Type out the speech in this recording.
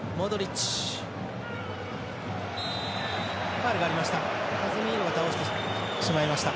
ファウルがありました。